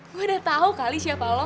gue udah tau kali siapa lo